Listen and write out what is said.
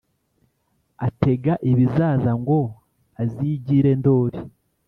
atega ibizaza ngo azigire ndoli